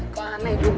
kok aneh bu